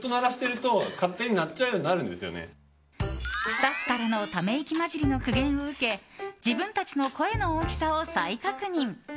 スタッフからのため息交じりの苦言を受け自分たちの声の大きさを再確認。